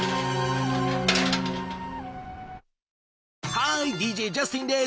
ハーイＤＪジャスティンです。